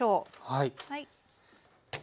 はい。